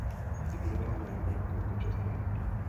Vybudovala na jeho památku a počest památník.